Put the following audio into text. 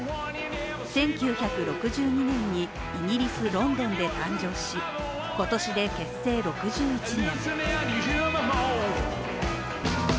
１９６２年にイギリス・ロンドンで誕生し、今年で結成６１年。